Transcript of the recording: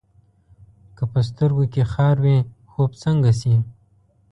که په سترګو کې خار وي، خوب څنګه شي؟